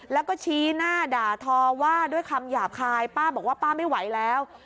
แล้วก็ชี้หน้าด่าทอว่าด้วยคำหยาบคายป้าบอกว่าป้าไม่ไหวแล้ว